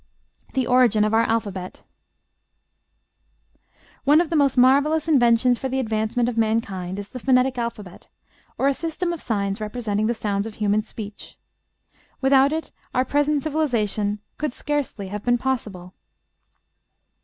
THE ORIGIN OF OUR ALPHABET One of the most marvellous inventions for the advancement of mankind is the phonetic alphabet, or a system of signs representing the sounds of human speech. Without it our present civilization could scarcely have been possible.